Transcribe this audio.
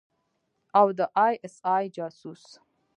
او د آى اس آى جاسوس.